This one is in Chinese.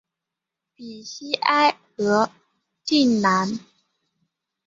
比西埃和普兰。